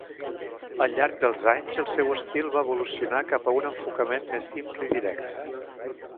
Al llarg dels anys el seu estil va evolucionar cap a un enfocament més simple i directe.